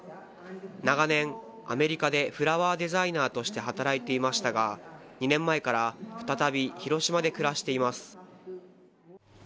長年、アメリカでフラワーデザイナーとして働いていましたが、２年前から再び広島で暮らしています。